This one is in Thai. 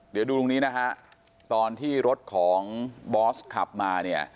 เดี๋ยวดูตรงนี้นะฮะตอนที่รถของบอสขับมาเนี่ย